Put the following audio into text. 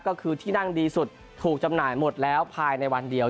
ก็คือที่นั่งดีสุดถูกจำหน่ายหมดแล้วภายในวันเดียว